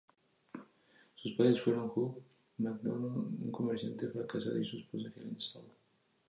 Sus padres fueron Hugh Macdonald, un comerciante fracasado, y su esposa Helen Shaw.